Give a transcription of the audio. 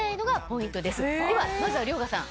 ではまずは遼河さん。